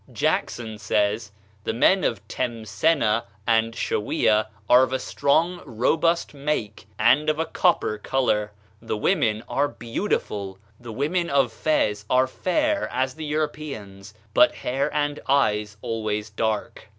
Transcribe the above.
Jackson says: "The men of Temsena and Showiah are of a strong, robust make, and of a copper color; the women are beautiful. The women of Fez are fair as the Europeans, but hair and eyes always dark.